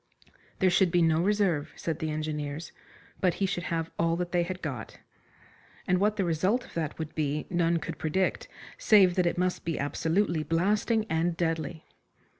There should be no reserve, said the engineers, but he should have all that they had got. And what the result of that would be none could predict, save that it must be absolutely blasting and deadly.